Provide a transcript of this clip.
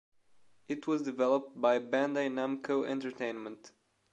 It was developed by Bandai Namco Entertainment.